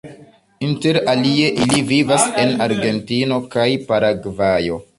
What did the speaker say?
Inter alie ili vivas en Argentino kaj Paragvajo.